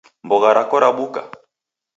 Mbogha rako rabuka?